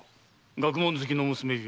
学問好きの娘ゆえ